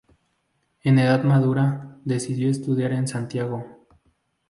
En edad madura, decidió estudiar en Santiago.